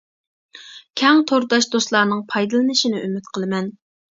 كەڭ تورداش دوستلارنىڭ پايدىلىنىشىنى ئۈمىد قىلىمەن.